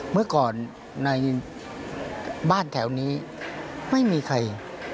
เมื่อก่อนในบ้านแถวนี้ไม่มีใคร